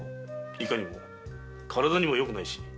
いかにも体にもよくないし。